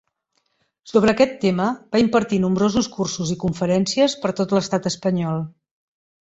Sobre aquest tema va impartir nombrosos cursos i conferències per tot l'estat espanyol.